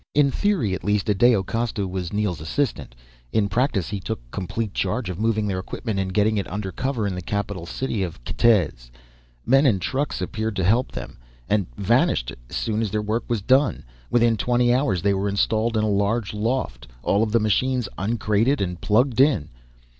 In theory at least, Adao Costa was Neel's assistant. In practice he took complete charge of moving their equipment and getting it under cover in the capital city of Kitezh. Men and trucks appeared to help them, and vanished as soon as their work was done. Within twenty hours they were installed in a large loft, all of the machines uncrated and plugged in.